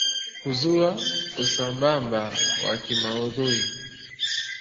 kuzua usambamba wa kimaudhui